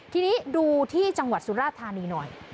ทีนี้ดูที่จังหวัดสุราธานีหน่อย